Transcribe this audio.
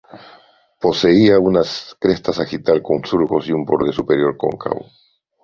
Poseía una cresta sagital, con surcos y un borde superior cóncavo.